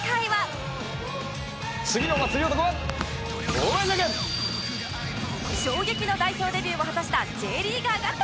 衝撃の代表デビューを果たした Ｊ リーガーが登場